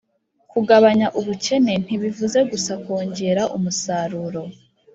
kugabanya ubukene ntibivuze gusa kongera umusaruro